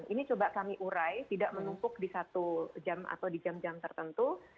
ini coba kami urai tidak menumpuk di satu jam atau di jam jam tertentu